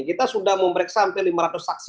kita sudah memeriksa hampir lima ratus saksi